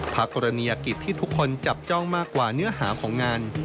กรณียกิจที่ทุกคนจับจ้องมากกว่าเนื้อหาของงาน